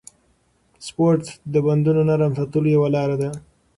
سپورت د بندونو نرم ساتلو یوه لاره ده.